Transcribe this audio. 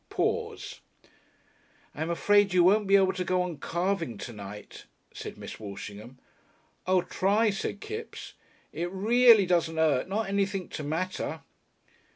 Pause. "I'm afraid you won't be able to go on carving to night," said Miss Walshingham. "I'll try," said Kipps. "It reelly doesn't hurt not anything to matter."